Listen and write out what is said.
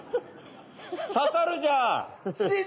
ささるじゃん！